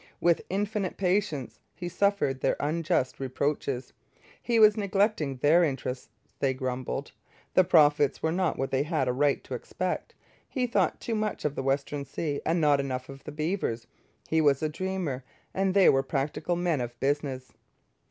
With infinite patience he suffered their unjust reproaches. He was neglecting their interests, they grumbled. The profits were not what they had a right to expect. He thought too much of the Western Sea and not enough of the beavers. He was a dreamer, and they were practical men of business.